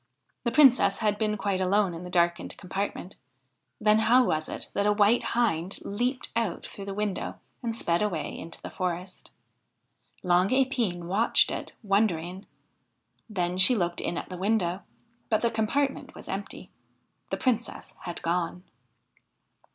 The Princess had been quite alone in the darkened compartment ; then how was it that a white hind leapt out through the window and sped away into the forest? Long Epine watched it, wondering. Then she looked in at the window, but the compartment was empty. The Princess had gone